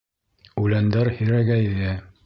Үләндәр һирәгәйҙе.